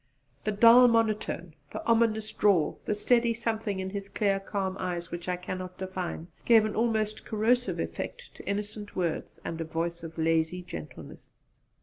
The dull monotone, the ominous drawl, the steady something in his clear calm eyes which I cannot define, gave an almost corrosive effect to innocent words and a voice of lazy gentleness.